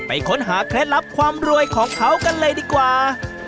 ค้นหาเคล็ดลับความรวยของเขากันเลยดีกว่า